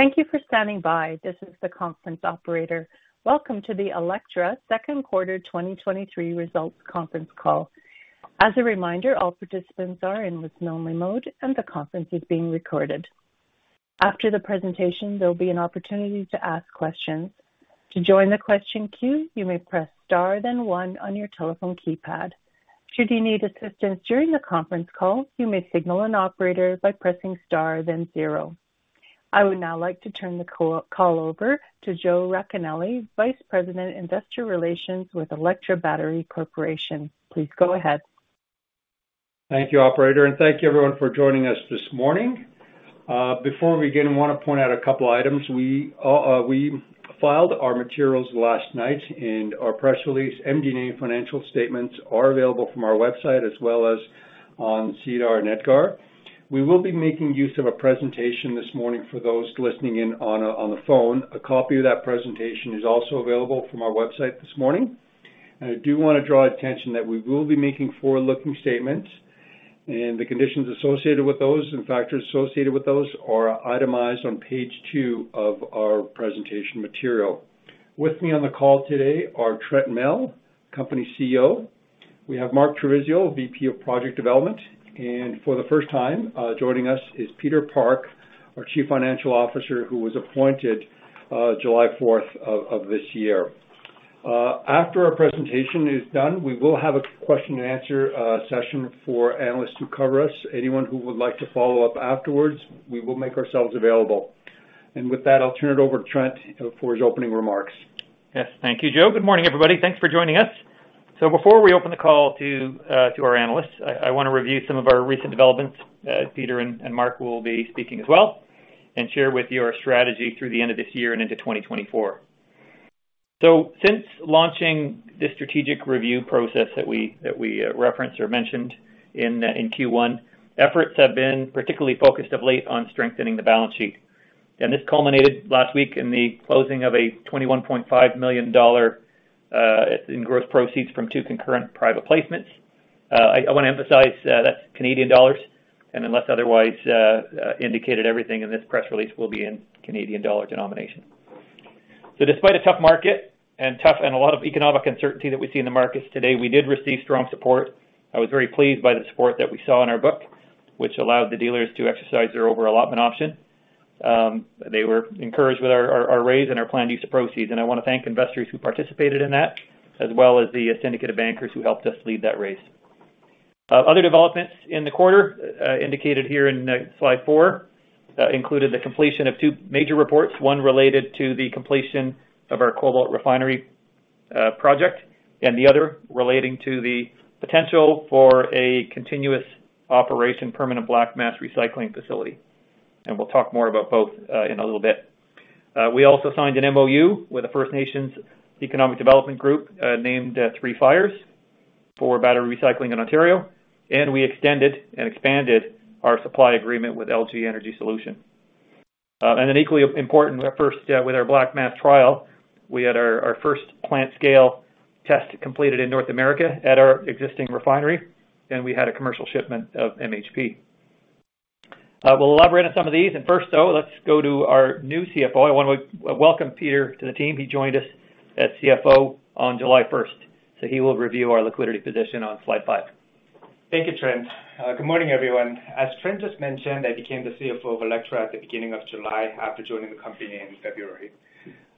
Thank you for standing by. This is the conference operator. Welcome to the Electra Second Quarter 2023 Results Conference Call. As a reminder, all participants are in listen-only mode, and the conference is being recorded. After the presentation, there will be an opportunity to ask questions. To join the question queue, you may press star, then one on your telephone keypad. Should you need assistance during the conference call, you may signal an operator by pressing star, then zero. I would now like to turn the call over to Joe Racanelli, Vice President, Investor Relations with Electra Battery Materials Corporation. Please go ahead. Thank you, operator, and thank you everyone for joining us this morning. Before we begin, I want to point out a couple of items. We filed our materials last night, and our press release, MD&A, financial statements are available from our website as well as on SEDAR and EDGAR. We will be making use of a presentation this morning for those listening in on, on the phone. A copy of that presentation is also available from our website this morning. I do want to draw attention that we will be making forward-looking statements, and the conditions associated with those and factors associated with those are itemized on page two of our presentation material. With me on the call today are Trent Mell, Company CEO. We have Mark Trevisiol, Vice President Project Development, and for the first time, joining us is Peter Park, our Chief Financial Officer, who was appointed July 4th of this year. After our presentation is done, we will have a question-and-answer session for analysts who cover us. Anyone who would like to follow up afterwards, we will make ourselves available. With that, I'll turn it over to Trent for his opening remarks. Yes, thank you, Joe. Good morning, everybody. Thanks for joining us. Before we open the call to our analysts, I want to review some of our recent developments, as Peter and Mark will be speaking as well, and share with you our strategy through the end of this year and into 2024. Since launching the strategic review process that we, that we referenced or mentioned in Q1, efforts have been particularly focused of late on strengthening the balance sheet. This culminated last week in the closing of a 21.5 million dollar in gross proceeds from two concurrent private placements. I want to emphasize, that's Canadian dollars, and unless otherwise indicated, everything in this press release will be in Canadian dollar denomination. Despite a tough market and tough and a lot of economic uncertainty that we see in the markets today, we did receive strong support. I was very pleased by the support that we saw in our book, which allowed the dealers to exercise their over-allotment option. They were encouraged with our, our, our raise and our planned use of proceeds, and I want to thank investors who participated in that, as well as the syndicate of bankers who helped us lead that raise. Other developments in the quarter, indicated here in slide four, included the completion of two major reports, one related to the completion of our cobalt refinery project, and the other relating to the potential for a continuous operation, permanent black mass recycling facility. We'll talk more about both, in a little bit. We also signed an MOU with the First Nations economic development group, named Three Fires for battery recycling in Ontario, and we extended and expanded our supply agreement with LG Energy Solution. Equally important, our first with our black mass trial, we had our first plant scale test completed in North America at our existing refinery, and we had a commercial shipment of MHP. We'll elaborate on some of these, and first, though, let's go to our new CFO. I want to welcome Peter to the team. He joined us as CFO on July 1st, so he will review our liquidity position on slide five. Thank you, Trent. Good morning, everyone. As Trent just mentioned, I became the CFO of Electra at the beginning of July after joining the company in February.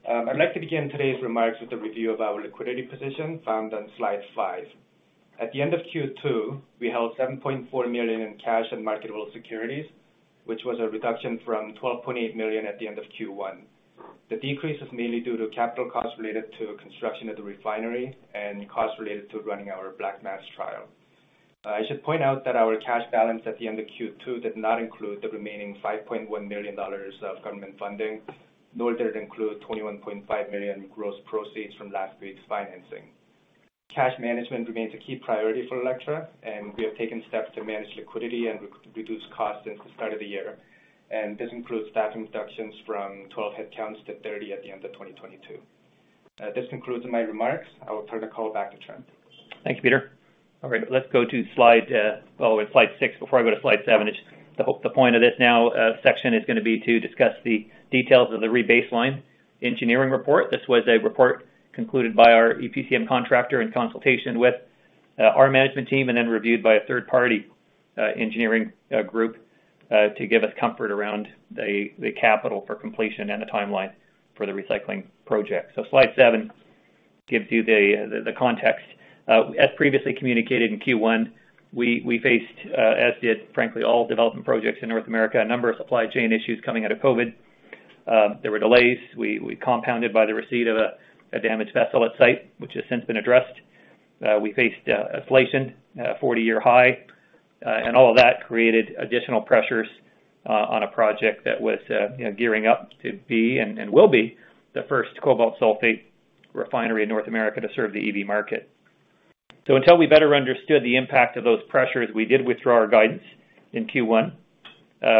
I'd like to begin today's remarks with a review of our liquidity position, found on slide five. At the end of Q2, we held 7.4 million in cash and marketable securities, which was a reduction from 12.8 million at the end of Q1. The decrease is mainly due to capital costs related to construction of the refinery and costs related to running our black mass trial. I should point out that our cash balance at the end of Q2 did not include the remaining 5.1 million dollars of government funding, nor did it include 21.5 million gross proceeds from last week's financing. Cash management remains a key priority for Electra, and we have taken steps to manage liquidity and re-reduce costs since the start of the year, and this includes staff reductions from 12 headcounts to 30 at the end of 2022. This concludes my remarks. I will turn the call back to Trent. Thanks, Peter. All right, let's go to slide... oh, it's slide six. Before I go to slide seven, it's the whole, the point of this now section is going to be to discuss the details of the rebaseline engineering report. This was a report concluded by our EPCM contractor in consultation with our management team, and then reviewed by a third-party engineering group to give us comfort around the capital for completion and the timeline for the recycling project. Slide seven gives you the context. As previously communicated in Q1, we, we faced, as did, frankly, all development projects in North America, a number of supply chain issues coming out of COVID. There were delays. We, we compounded by the receipt of a damaged vessel at site, which has since been addressed. We faced inflation, a 40-year high, and all of that created additional pressures on a project that was, you know, gearing up to be, and, and will be, the first cobalt sulfate refinery in North America to serve the EV market. Until we better understood the impact of those pressures, we did withdraw our guidance in Q1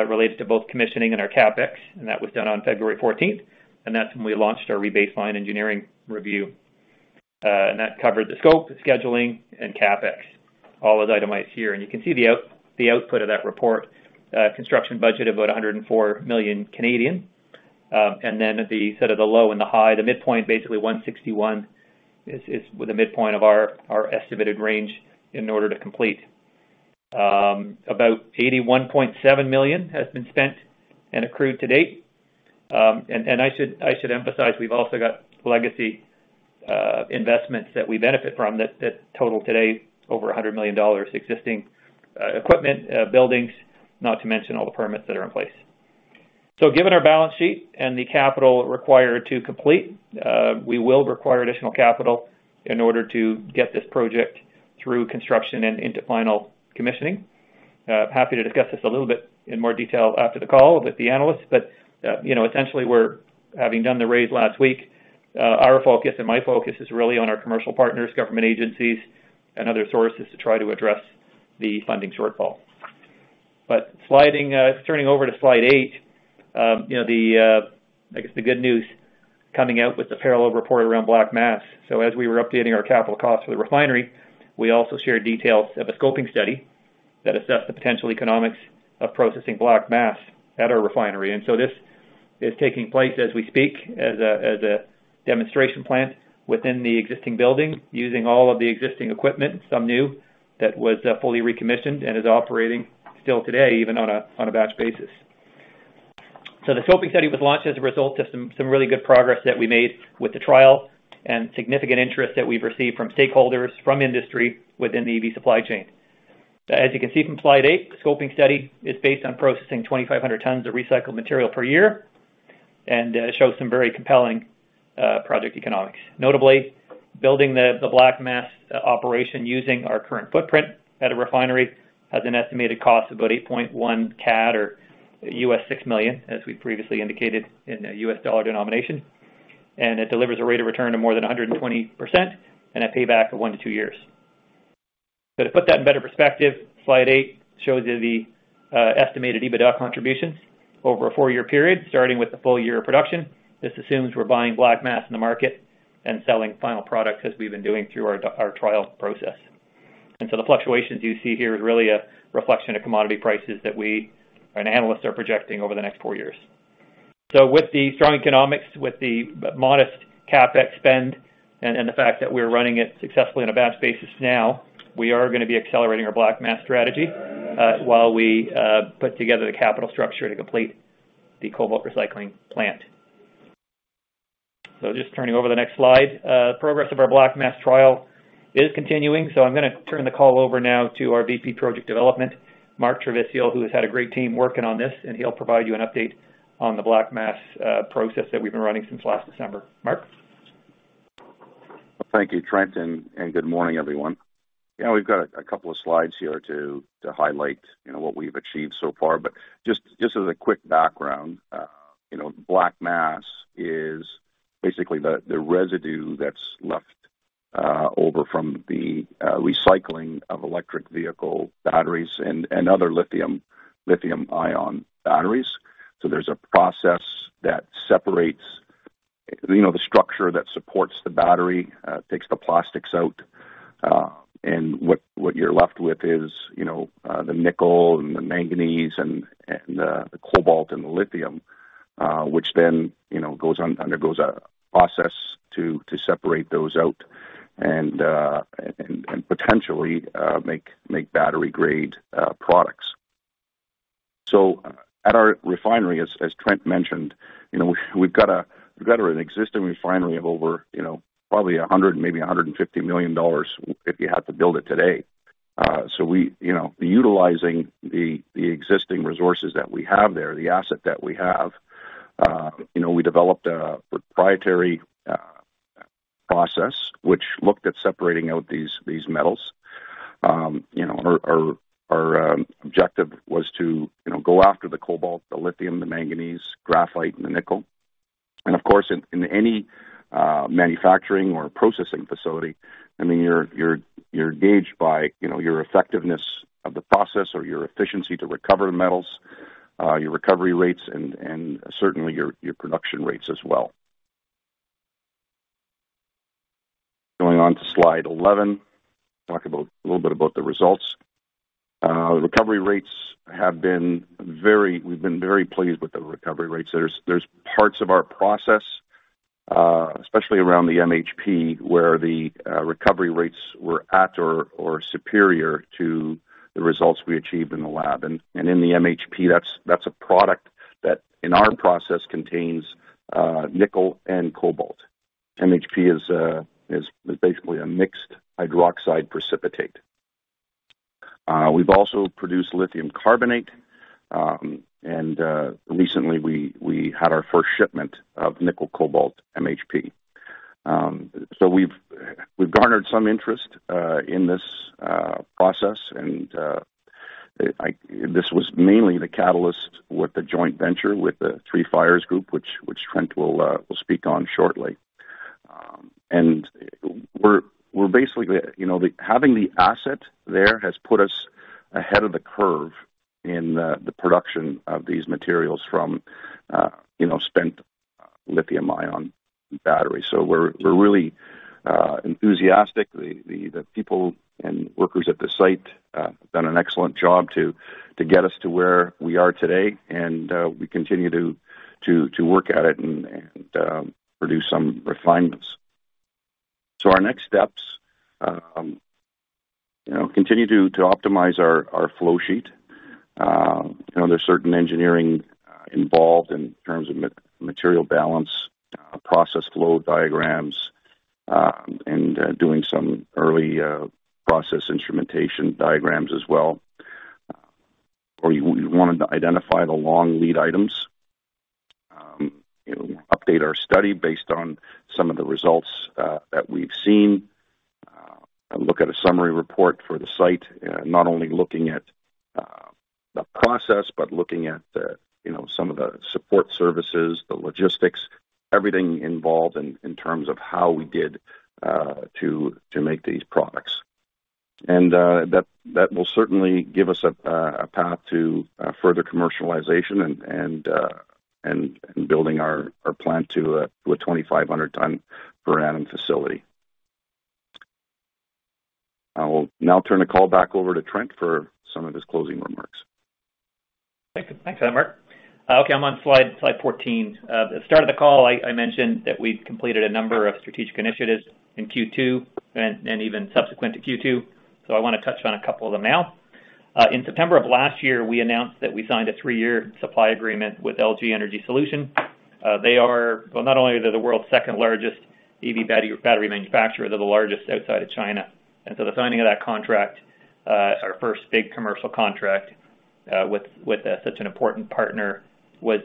related to both commissioning and our CapEx, and that was done on February 14th, and that's when we launched our rebaseline engineering review. That covered the scope, the scheduling, and CapEx, all as itemized here. You can see the output of that report, construction budget, about 104 million. At the, sort of the low and the high, the midpoint, basically 161 is with the midpoint of our estimated range in order to complete. About 81.7 million has been spent and accrued to date. I should emphasize, we've also got legacy investments that we benefit from that total today over 100 million dollars, existing equipment, buildings, not to mention all the permits that are in place. Given our balance sheet and the capital required to complete, we will require additional capital in order to get this project through construction and into final commissioning. Happy to discuss this a little bit in more detail after the call with the analysts, you know, essentially, we're having done the raise last week, our focus and my focus is really on our commercial partners, government agencies, and other sources to try to address the funding shortfall. Sliding, turning over to slide eight, you know, the, I guess, the good news coming out with the parallel report around black mass. As we were updating our capital costs for the refinery, we also shared details of a scoping study that assessed the potential economics of processing black mass at our refinery. This is taking place as we speak, as a demonstration plant within the existing building, using all of the existing equipment, some new, that was fully recommissioned and is operating still today, even on a batch basis. The scoping study was launched as a result of some really good progress that we made with the trial and significant interest that we've received from stakeholders, from industry within the EV supply chain. As you can see from slide eight, the scoping study is based on processing 2,500 tons of recycled material per year, and it shows some very compelling project economics. Notably, building the black mass operation using our current footprint at a refinery, has an estimated cost of about 8.1 million CAD or $6 million, as we previously indicated in the U.S. dollar denomination. It delivers a rate of return of more than 120% and a payback of one to two years. To put that in better perspective, slide eight shows you the estimated EBITDA contributions over a four-year period, starting with the full year of production. This assumes we're buying black mass in the market and selling final product as we've been doing through our trial process. The fluctuations you see here is really a reflection of commodity prices that we and analysts are projecting over the next four years. With the strong economics, with the modest CapEx spend and, and the fact that we're running it successfully on a batch basis now, we are gonna be accelerating our black mass strategy while we put together the capital structure to complete the cobalt recycling plant. Just turning over the next slide. Progress of our black mass trial is continuing, so I'm gonna turn the call over now to our Vice President Project Development, Mark Trevisiol, who has had a great team working on this, and he'll provide you an update on the black mass process that we've been running since last December. Mark? Thank you, Trent, and good morning, everyone. Yeah, we've got a couple of slides here to highlight, you know, what we've achieved so far. Just as a quick background, you know, black mass is basically the residue that's left over from the recycling of electric vehicle batteries and other lithium, lithium-ion batteries. There's a process that separates, you know, the structure that supports the battery, takes the plastics out, and what you're left with is, you know, the nickel and the manganese and the cobalt and the lithium, which then, you know, undergoes a process to separate those out and, and, potentially, make battery-grade products. At our refinery, as, as Trent mentioned, we've got an existing refinery of over, probably 100 million, maybe 150 million dollars if you had to build it today. We, utilizing the, the existing resources that we have there, the asset that we have, we developed a proprietary process, which looked at separating out these, these metals. Our, our, our objective was to go after the cobalt, the lithium, the manganese, graphite, and the nickel. Of course, in, in any manufacturing or processing facility, I mean, you're, you're, you're gauged by your effectiveness of the process or your efficiency to recover the metals, your recovery rates and, and certainly, your, your production rates as well. Going on to slide 11, talk about, a little bit about the results. Recovery rates have been very... We've been very pleased with the recovery rates. There's, there's parts of our process, especially around the MHP, where the recovery rates were at or, or superior to the results we achieved in the lab. In the MHP, that's, that's a product that, in our process, contains nickel and cobalt. MHP is, is basically a mixed hydroxide precipitate. We've also produced lithium carbonate, and, recently we, we had our first shipment of nickel cobalt MHP. We've, we've garnered some interest in this process, and this was mainly the catalyst with the joint venture with the Three Fires Group, which, which Trent will speak on shortly. We're, we're basically, the, you know, the having the asset there has put us ahead of the curve in the production of these materials from, you know, spent lithium-ion batteries. We're, we're really enthusiastic. The, the, the people and workers at the site have done an excellent job to, to get us to where we are today, and we continue to, to, to work at it and, and produce some refinements. Our next steps, you know, continue to, to optimize our, our flow sheet. You know, there's certain engineering involved in terms of material balance, process flow diagrams, and doing some early process instrumentation diagrams as well. We, we wanted to identify the long lead items, you know, update our study based on some of the results that we've seen, and look at a summary report for the site, not only looking at the process, but looking at the, you know, some of the support services, the logistics, everything involved in, in terms of how we did to make these products. That, that will certainly give us a path to further commercialization and, and building our plan to a 2,500 ton per annum facility. I will now turn the call back over to Trent for some of his closing remarks. Thank you. Thanks, Mark. Okay, I'm on slide 14. At the start of the call, I mentioned that we've completed a number of strategic initiatives in Q2 even subsequent to Q2, so I wanna touch on a couple of them now. In September of last year, we announced that we signed a 3-year supply agreement with LG Energy Solution. They are... Well, not only are they the world's 2nd-largest EV battery manufacturer, they're the largest outside of China. So the signing of that contract, our first big commercial contract, with such an important partner, was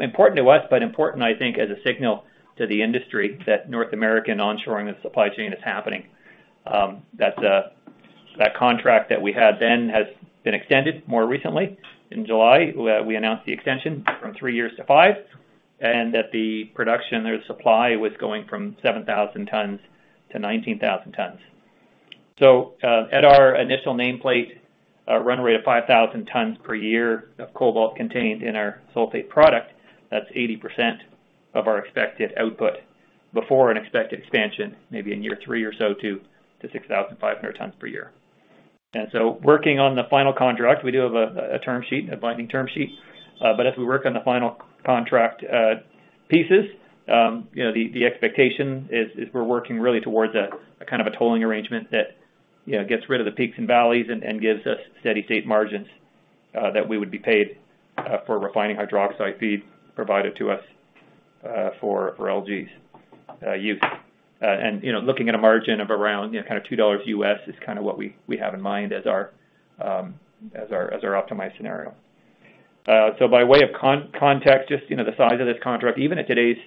important to us, but important, I think, as a signal to the industry that North American onshoring and supply chain is happening. That contract that we had then has been extended more recently. In July, we announced the extension from 3 years to 5, and that the production or supply was going from 7,000 tons to 19,000 tons. At our initial nameplate, run rate of 5,000 tons per year of cobalt contained in our sulfate product, that's 80% of our expected output before an expected expansion, maybe in year 3 or so, to 6,500 tons per year. Working on the final contract, we do have a, a term sheet, a binding term sheet, but as we work on the final contract pieces, you know, the expectation is, is we're working really towards a, a kind of a tolling arrangement that, you know, gets rid of the peaks and valleys and, and gives us steady state margins that we would be paid for refining hydroxide feed provided to us for for LG's use. You know, looking at a margin of around, you know, kind of $2 is kind of what we have in mind as our as our as our optimized scenario. So by way of context, just, you know, the size of this contract, even at today's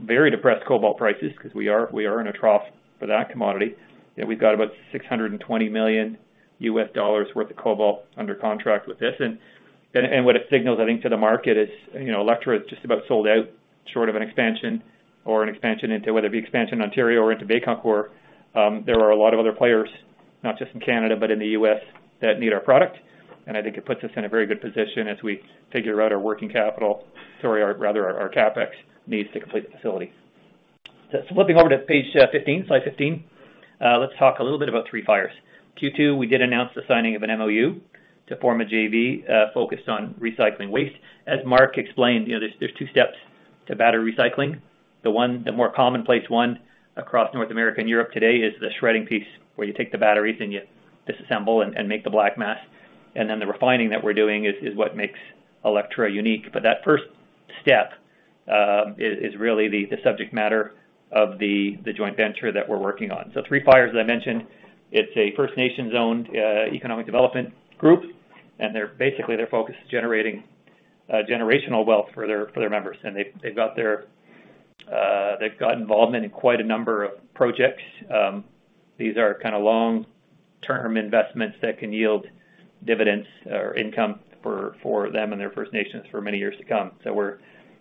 very depressed cobalt prices, 'cause we are, we are in a trough for that commodity, you know, we've got about $620 million worth of cobalt under contract with this. What it signals, I think, to the market is, you know, Electra is just about sold out, short of an expansion or an expansion into whether it be expansion in Ontario or into Bécancour. There are a lot of other players, not just in Canada, but in the U.S., that need our product, and I think it puts us in a very good position as we figure out our working capital, sorry, our rather, our CapEx needs to complete the facility. Flipping over to page 15, slide 15, let's talk a little bit about Three Fires. Q2, we did announce the signing of an MOU to form a JV focused on recycling waste. As Mark explained, you know, there's, there's 2 steps to battery recycling. The one, the more commonplace one across North America and Europe today is the shredding piece, where you take the batteries and you disassemble and, and make the black mass, and then the refining that we're doing is, is what makes Electra unique. That first step, is, is really the, the subject matter of the, the joint venture that we're working on. Three Fires, as I mentioned, it's a First Nations-owned economic development group, and they're, basically, they're focused on generating generational wealth for their, for their members, and they've, they've got their, they've got involvement in quite a number of projects. These are kind of long-term investments that can yield dividends or income for, for them and their First Nations for many years to come, so we're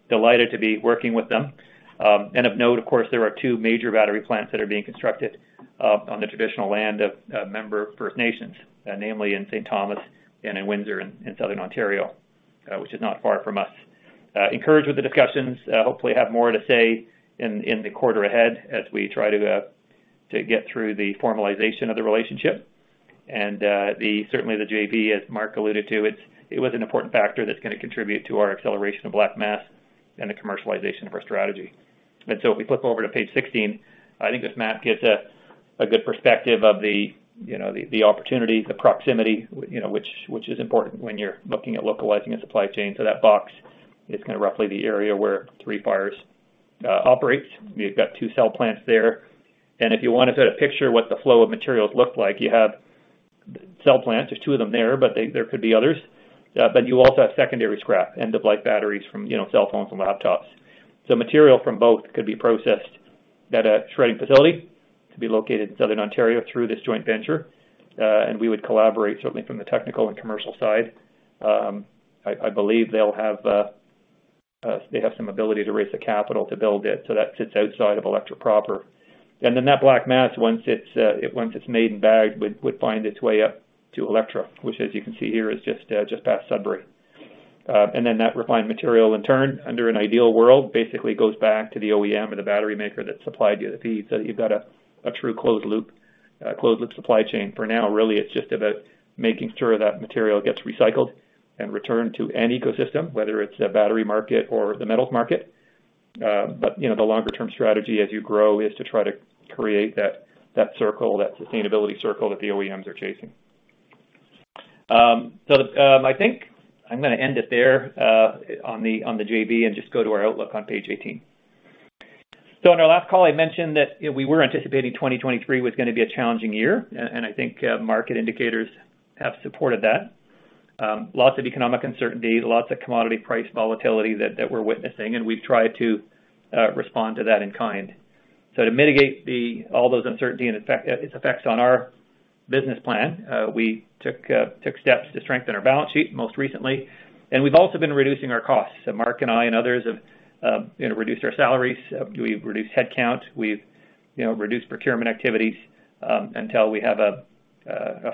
delighted to be working with them. Of note, of course, there are two major battery plants that are being constructed on the traditional land of member First Nations, namely in St. Thomas and in Windsor, in southern Ontario, which is not far from us. Encouraged with the discussions, hopefully have more to say in, in the quarter ahead as we try to get through the formalization of the relationship. Certainly the JV, as Mark alluded to, it was an important factor that's gonna contribute to our acceleration of black mass and the commercialization of our strategy. If we flip over to page 16, I think this map gives a good perspective of the, you know, the opportunity, the proximity, you know, which is important when you're looking at localizing a supply chain. That box is kind of roughly the area where Three Fires operates. We've got 2 cell plants there, and if you wanted to picture what the flow of materials look like, you have cell plants. There's two of them there, but There could be others. You also have secondary scrap, end-of-life batteries from, you know, cell phones and laptops. Material from both could be processed at a shredding facility to be located in southern Ontario through this joint venture, and we would collaborate certainly from the technical and commercial side. I, I believe they'll have, they have some ability to raise the capital to build it, so that sits outside of Electra proper. That black mass, once it's, once it's made and bagged, would, would find its way up to Electra, which, as you can see here, is just, just past Sudbury. That refined material, in turn, under an ideal world, basically goes back to the OEM or the battery maker that supplied you the feed. You've got a, a true closed loop, closed-loop supply chain. For now, really, it's just about making sure that material gets recycled and returned to an ecosystem, whether it's a battery market or the metals market. You know, the longer-term strategy as you grow is to try to create that, that circle, that sustainability circle that the OEMs are chasing. I think I'm gonna end it there on the JV and just go to our outlook on page 18. On our last call, I mentioned that, you know, we were anticipating 2023 was gonna be a challenging year, and, and I think market indicators have supported that. Lots of economic uncertainty, lots of commodity price volatility that, that we're witnessing, and we've tried to respond to that in kind. To mitigate the... all those uncertainty and effect- its effects on our business plan, we took, took steps to strengthen our balance sheet, most recently. We've also been reducing our costs. Mark and I and others have, you know, reduced our salaries, we've reduced headcount, we've, you know, reduced procurement activities, until we have a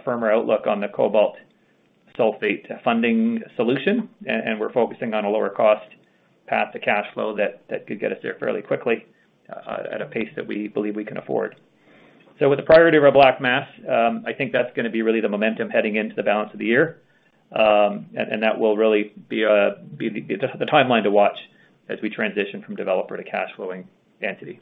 firmer outlook on the cobalt sulfate funding solution. We're focusing on a lower cost path to cash flow that, that could get us there fairly quickly, at a pace that we believe we can afford. With the priority of our black mass, I think that's gonna be really the momentum heading into the balance of the year. That will really be, be the, the timeline to watch as we transition from developer to cash flowing entity.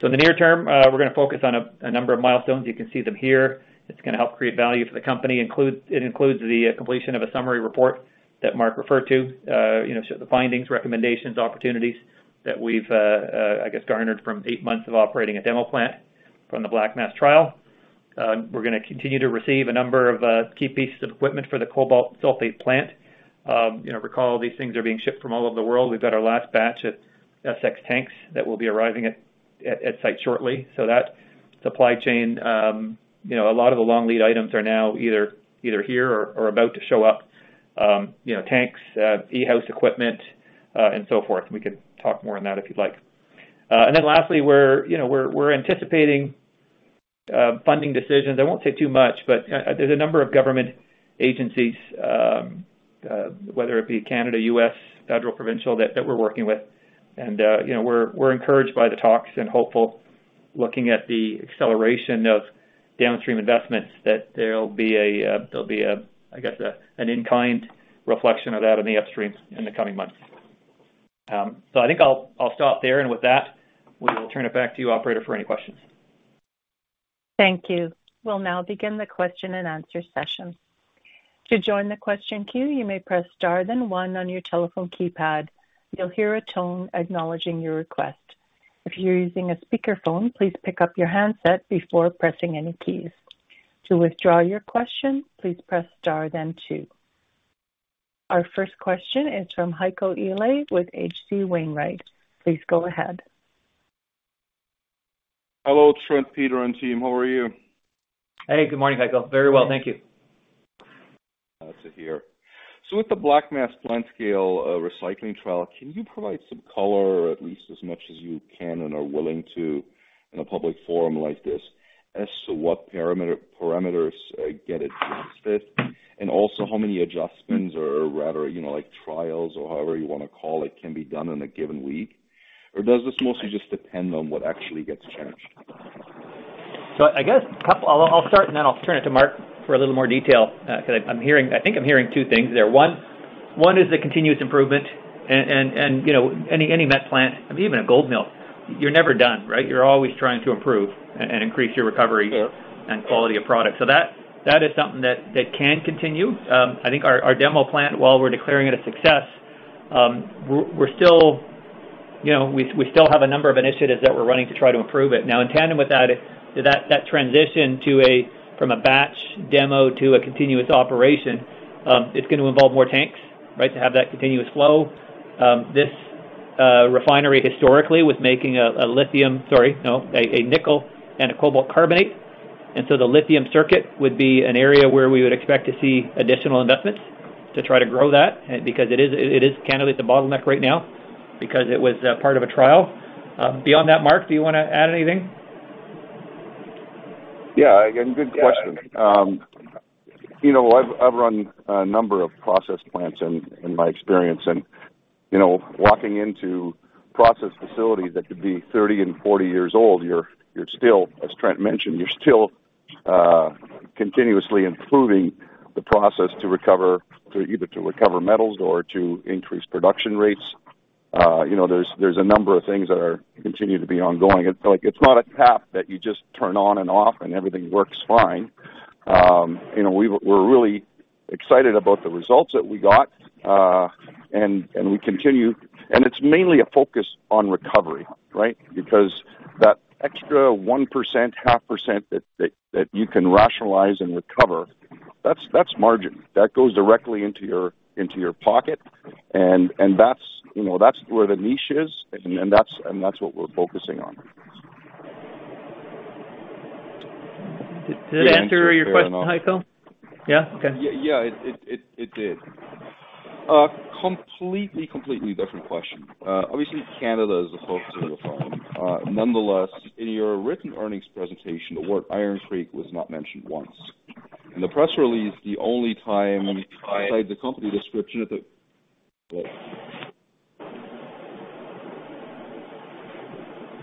In the near term, we're gonna focus on a number of milestones. You can see them here. It's gonna help create value for the company. It includes the completion of a summary report that Mark referred to, you know, so the findings, recommendations, opportunities that we've, I guess, garnered from eight months of operating a demo plant from the black mass trial. We're gonna continue to receive a number of key pieces of equipment for the cobalt sulfate plant. You know, recall, these things are being shipped from all over the world. We've got our last batch at SX tanks that will be arriving at site shortly. That supply chain, you know, a lot of the long lead items are now either, either here or, or about to show up, you know, tanks, E-House equipment, and so forth. We could talk more on that if you'd like. Then lastly, we're, you know, we're, we're anticipating funding decisions. I won't say too much, but there's a number of government agencies, whether it be Canada, U.S., federal, provincial, that, that we're working with. You know, we're, we're encouraged by the talks and hopeful, looking at the acceleration of downstream investments, that there'll be a, there'll be a, I guess, a, an in-kind reflection of that on the upstream in the coming months. I think I'll, I'll stop there, and with that, we will turn it back to you, operator, for any questions. Thank you. We'll now begin the question and answer session. To join the question queue, you may press star, then one on your telephone keypad. You'll hear a tone acknowledging your request. If you're using a speakerphone, please pick up your handset before pressing any keys. To withdraw your question, please press star, then two. Our first question is from Heiko Ihle with H.C. Wainwright. Please go ahead. Hello, Trent, Peter, and team. How are you? Hey, good morning, Heiko Ihle. Very well, thank you. Nice to hear. With the black mass plant scale, recycling trial, can you provide some color, or at least as much as you can and are willing to, in a public forum like this, as to what parameters get adjusted? Also, how many adjustments or, rather, you know, like, trials or however you wanna call it, can be done in a given week? Does this mostly just depend on what actually gets changed? I guess I'll, I'll start, and then I'll turn it to Mark for a little more detail, because I think I'm hearing two things there. One is the continuous improvement and, you know, any met plant or even a gold mill, you're never done, right? You're always trying to improve and increase your recovery... Yeah... and quality of product. That, that is something that, that can continue. I think our, our demo plant, while we're declaring it a success, we're still, you know, we, we still have a number of initiatives that we're running to try to improve it. Now, in tandem with that, that, that transition to a, from a batch demo to a continuous operation, it's gonna involve more tanks, right? To have that continuous flow. This refinery historically was making a, a lithium... Sorry, no, a, a nickel and a cobalt carbonate. The lithium circuit would be an area where we would expect to see additional investments to try to grow that, because it is, it is kind of at the bottleneck right now because it was part of a trial. Beyond that, Mark, do you wanna add anything? Yeah, again, good question. you know, I've, I've run a number of process plants in, in my experience, and, you know, walking into process facilities that could be 30 and 40 years old, you're, you're still, as Trent mentioned, you're still, continuously improving the process to recover metals or to increase production rates. you know, there's, there's a number of things that are continue to be ongoing. It's like, it's not a tap that you just turn on and off and everything works fine. you know, we're really excited about the results that we got, and we continue... It's mainly a focus on recovery, right? Because that extra 1%, 0.5%, that you can rationalize and recover, that's, that's margin. That goes directly into your, into your pocket, and, and that's, you know, that's where the niche is, and, and that's, and that's what we're focusing on. Did that answer your question, Heiko Ihle? Yeah, okay. Yeah, yeah, it, it, it, it did. Completely, completely different question. Obviously, Canada is the focus of the phone. Nonetheless, in your written earnings presentation, the word Iron Creek was not mentioned once. In the press release, the only time besides the company description at the-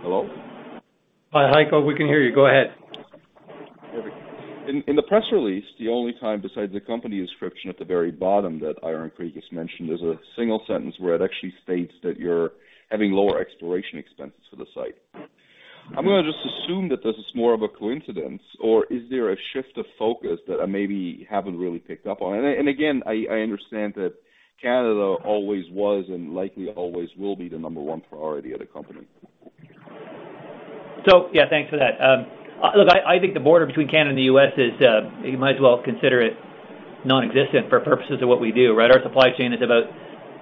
Hello? Hi, Heiko, we can hear you. Go ahead. In the press release, the only time besides the company description at the very bottom that Iron Creek is mentioned, is a single sentence where it actually states that you're having lower exploration expenses for the site. I'm gonna just assume that this is more of a coincidence, or is there a shift of focus that I maybe haven't really picked up on? Again, I, I understand that Canada always was and likely always will be the number 1 priority of the company. Thanks for that. Look, I, I think the border between Canada and the U.S. is, you might as well consider it nonexistent for purposes of what we do, right? Our supply chain is about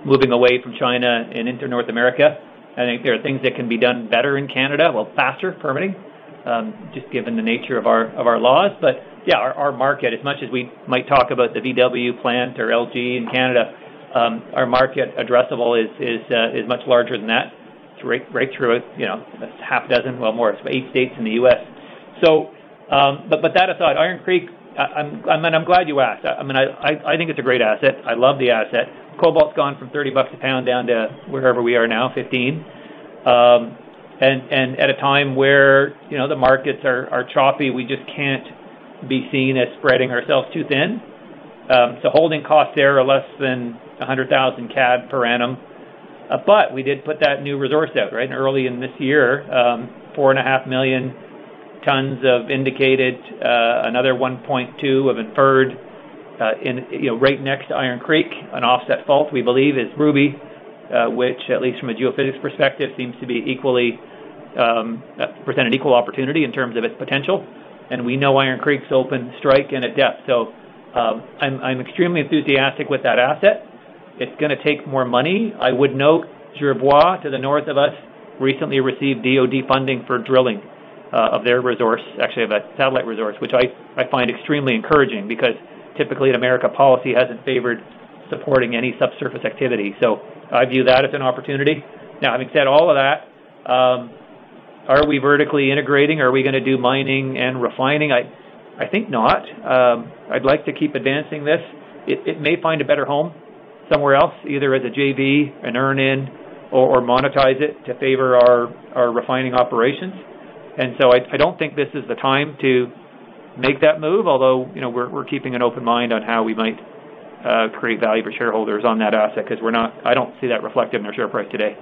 moving away from China and into North America. I think there are things that can be done better in Canada, well, faster, permitting, just given the nature of our, of our laws. Our, our market, as much as we might talk about the VW plant or LG in Canada, our market addressable is, is, is much larger than that. To break, break through it, you know, six, well, more. It's eight states in the U.S. That aside, Iron Creek, I, I'm, and I'm glad you asked. I, I mean, I, I think it's a great asset. I love the asset. Cobalt's gone from 30 bucks a pound down to wherever we are now, 15. At a time where, you know, the markets are, are choppy, we just can't be seen as spreading ourselves too thin. Holding costs there are less than 100,000 CAD per annum. We did put that new resource out, right? Early in this year, 4.5 million tons of indicated, another 1.2 of inferred, in, you know, right next to Iron Creek, an offset fault, we believe is Ruby, which at least from a geophysics perspective, seems to be equally present an equal opportunity in terms of its potential. We know Iron Creek's open strike and at depth. I'm extremely enthusiastic with that asset. It's gonna take more money. I would note Jervois, to the north of us, recently received DoD funding for drilling of their resource, actually of a satellite resource, which I, I find extremely encouraging, because typically in America, policy hasn't favored supporting any subsurface activity. I view that as an opportunity. Now, having said all of that, are we vertically integrating? Are we gonna do mining and refining? I, I think not. I'd like to keep advancing this. It, it may find a better home somewhere else, either as a JV, an earn-in, or, or monetize it to favor our, our refining operations. I, I don't think this is the time to make that move, although, you know, we're, we're keeping an open mind on how we might create value for shareholders on that asset, 'cause we're not-- I don't see that reflected in our share price today.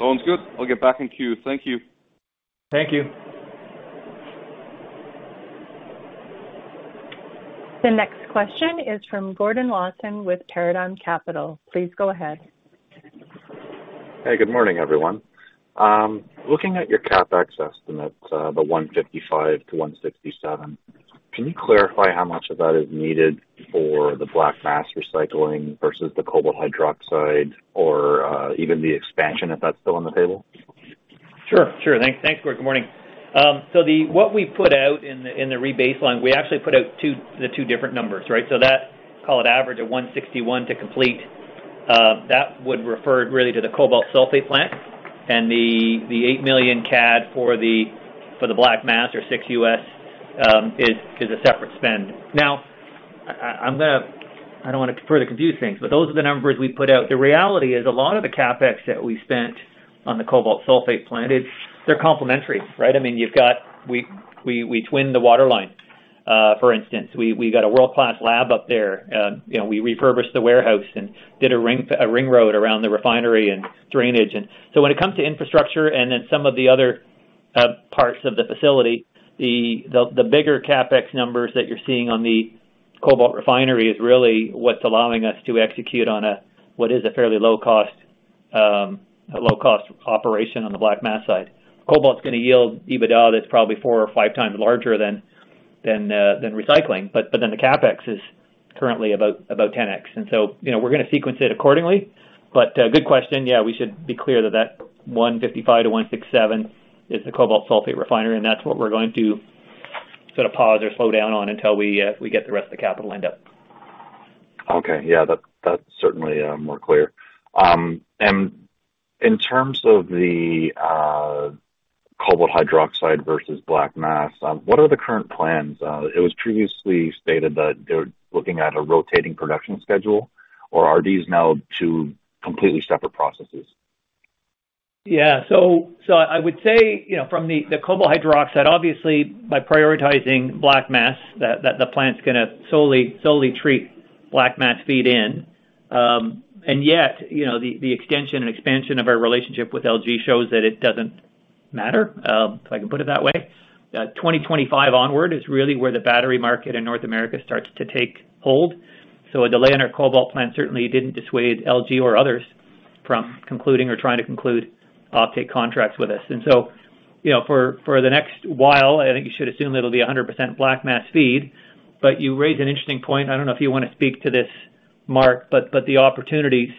Sounds good. I'll get back in queue. Thank you. Thank you. The next question is from Gordon Lawson with Paradigm Capital. Please go ahead. Hey, good morning, everyone. Looking at your CapEx estimates, the 155-167, can you clarify how much of that is needed for the black mass recycling versus the cobalt hydroxide or, even the expansion, if that's still on the table? Sure, sure. Thanks. Thanks, Gordon. Good morning. What we put out in the, in the rebaseline, we actually put out two, the two different numbers, right? That, call it average of 161 to complete, that would refer really to the cobalt sulfate plant, and the, the 8 million CAD for the, for the black mass or $6 million, is, is a separate spend. Now, I, I, I'm gonna-- I don't want to further confuse things, but those are the numbers we put out. The reality is a lot of the CapEx that we spent on the cobalt sulfate plant, it- they're complementary, right? I mean, you've got... We, we, we twinned the waterline, for instance. We, we got a world-class lab up there. You know, we refurbished the warehouse and did a ring, a ring road around the refinery and drainage. When it comes to infrastructure and then some of the other parts of the facility, the bigger CapEx numbers that you're seeing on the cobalt refinery is really what's allowing us to execute on a, what is a fairly low cost, a low-cost operation on the black mass side. Cobalt's gonna yield EBITDA that's probably 4x or 5x larger than, than recycling, but then the CapEx is currently about 10x. You know, we're gonna sequence it accordingly. Good question. Yeah, we should be clear that that 155-167 is the cobalt sulfate refinery, and that's what we're going to sort of pause or slow down on until we get the rest of the capital lined up. Okay. Yeah, that's, that's certainly, more clear. In terms of the cobalt hydroxide versus black mass, what are the current plans? It was previously stated that they're looking at a rotating production schedule, or are these now two completely separate processes? Yeah. So, so I would say, you know, from the, the cobalt hydroxide, obviously, by prioritizing black mass, that, that the plant's gonna solely, solely treat black mass feed in. Yet, you know, the, the extension and expansion of our relationship with LG shows that it doesn't matter, if I can put it that way. 2025 onward is really where the battery market in North America starts to take hold. A delay in our cobalt plant certainly didn't dissuade LG or others from concluding or trying to conclude offtake contracts with us. So, you know, for, for the next while, I think you should assume that it'll be 100% black mass feed. You raise an interesting point. I don't know if you want to speak to this, Mark, but, but the opportunities-...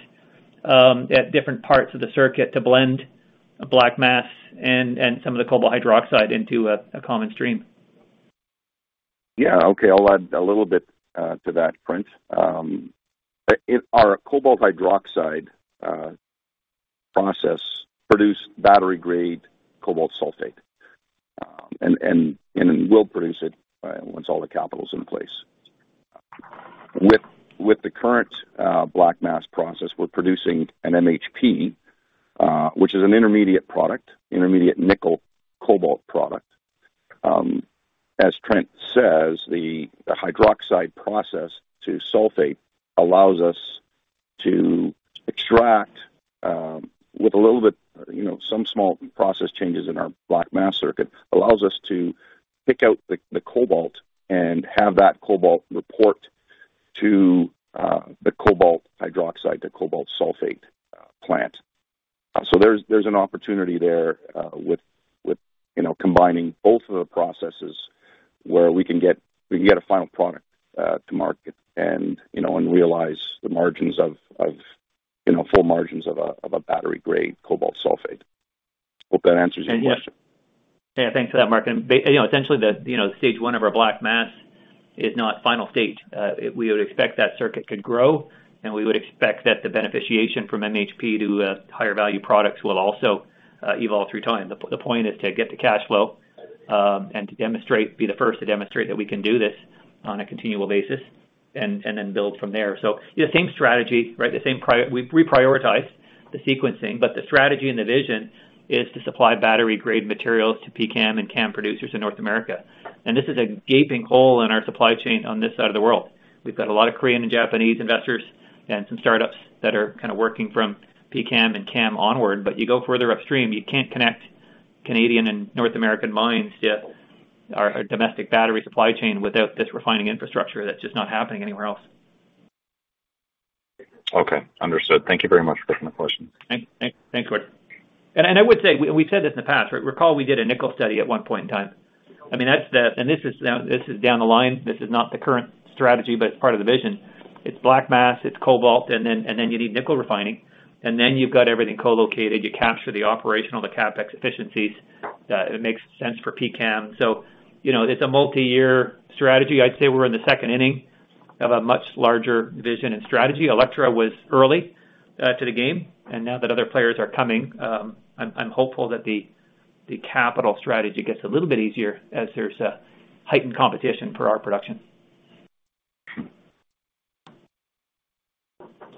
at different parts of the circuit to blend a black mass and, and some of the cobalt hydroxide into a, a common stream. Yeah. Okay. I'll add a little bit to that, Trent. Our cobalt hydroxide process produce battery-grade cobalt sulfate, and, and, and it will produce it once all the capital's in place. With, with the current black mass process, we're producing an MHP, which is an intermediate product, intermediate nickel cobalt product. As Trent says, the, the hydroxide process to sulfate allows us to extract, with a little bit, you know, some small process changes in our black mass circuit, allows us to pick out the, the cobalt and have that cobalt report to, the cobalt hydroxide, the cobalt sulfate plant. There's an opportunity there, with, you know, combining both of the processes, where we can get a final product, to market and, you know, and realize the margins of, you know, full margins of a battery-grade cobalt sulfate. Hope that answers your question. Yeah. Yeah, thanks for that, Mark. you know, essentially, the, you know, stage one of our black mass is not final stage. We would expect that circuit could grow, and we would expect that the beneficiation from MHP to higher value products will also evolve through time. The point is to get the cash flow and to demonstrate, be the first to demonstrate that we can do this on a continual basis and then build from there. The same strategy, right, the same we've reprioritized the sequencing, but the strategy and the vision is to supply battery-grade materials to PCAM and CAM producers in North America. This is a gaping hole in our supply chain on this side of the world. We've got a lot of Korean and Japanese investors and some startups that are kind of working from PCAM and CAM onward, but you go further upstream, you can't connect Canadian and North American mines to our, our domestic battery supply chain without this refining infrastructure that's just not happening anywhere else. Okay, understood. Thank you very much for the question. Thanks, Gordon. I would say, we've said this in the past, right? Recall we did a nickel study at one point in time. I mean, that's the... This is down the line. This is not the current strategy, but it's part of the vision. It's black mass, it's cobalt, and then you need nickel refining, and then you've got everything co-located. You capture the operational, the CapEx efficiencies, it makes sense for PCAM. You know, it's a multiyear strategy. I'd say we're in the second inning of a much larger vision and strategy. Electra was early to the game, and now that other players are coming, I'm hopeful that the capital strategy gets a little bit easier as there's a heightened competition for our production.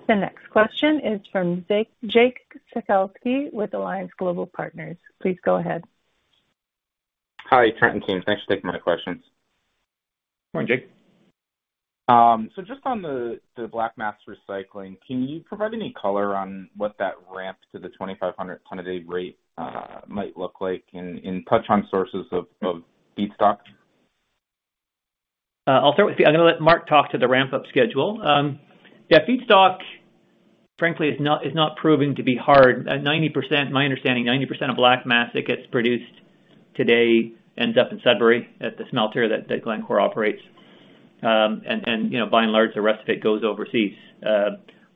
The next question is from Jake Sekelsky with A.G.P./Alliance Global Partners. Please go ahead. Hi, Trent and team. Thanks for taking my questions. Morning, Jake. Just on the, the black mass recycling, can you provide any color on what that ramp to the 2,500 ton a day rate might look like and, and touch on sources of, of feedstock? I'll start with you. I'm gonna let Mark talk to the ramp-up schedule. Yeah, feedstock, frankly, is not, is not proving to be hard. 90%, my understanding, 90% of black mass that gets produced today ends up in Sudbury, at the smelter that, that Glencore operates. You know, by and large, the rest of it goes overseas,